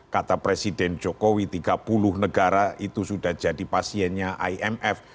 kata presiden jokowi tiga puluh negara itu sudah jadi pasiennya imf